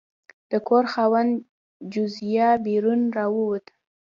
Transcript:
د کور خاوند جوزیا براون راووت.